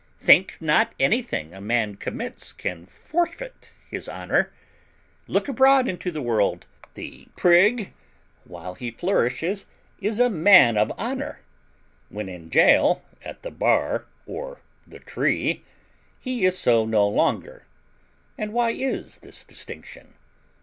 Think not anything a man commits can forfeit his honour. Look abroad into the world; the PRIG, while he flourishes, is a man of honour; when in gaol, at the bar, or the tree, he is so no longer. And why is this distinction?